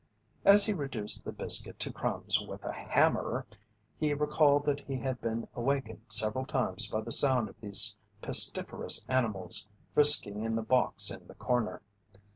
As he reduced the biscuit to crumbs with a hammer, he recalled that he had been awakened several times by the sound of these pestiferous animals frisking in the box in the corner.